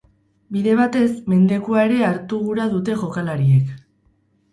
Bide batez, mendekua ere hartu gura dute jokalariek.